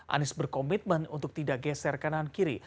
anies berkomitmen untuk tidak geser kanan kiri